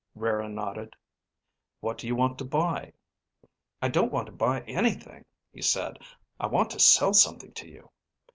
Rara nodded. "What do you want to buy?" "I don't want to buy anything," he said. "I want to sell something to you."